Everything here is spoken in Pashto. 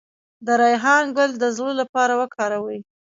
د ریحان ګل د زړه لپاره وکاروئ